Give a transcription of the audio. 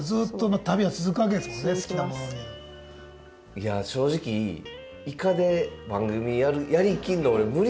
いや正直イカで番組やりきんの俺無理や思うとった。